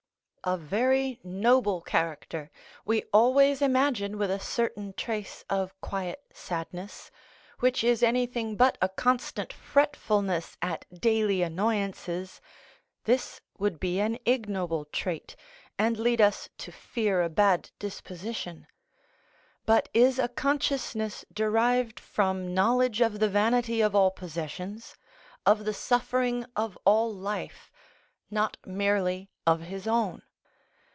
A very noble character we always imagine with a certain trace of quiet sadness, which is anything but a constant fretfulness at daily annoyances (this would be an ignoble trait, and lead us to fear a bad disposition), but is a consciousness derived from knowledge of the vanity of all possessions, of the suffering of all life, not merely of his own.